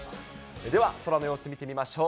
では空の様子見てみましょう。